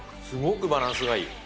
すごくバランスがいい。